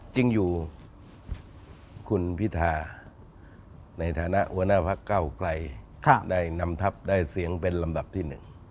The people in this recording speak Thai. จริงอยู่คุณพิธาในฐานะหัวหน้าพักเก้าไกลได้นำทัพได้เสียงเป็นลำดับที่๑